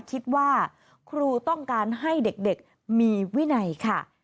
คิดว่าครูต้องการให้เด็กมีวินัยค่ะ